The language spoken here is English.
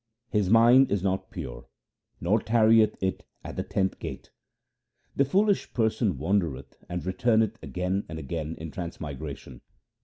His mind is not pure, nor tarrieth it at the tenth gate. The foolish person wandereth and returneth again and again in transmigration.